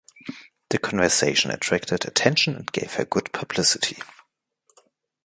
The conversion attracted attention and gave her good publicity.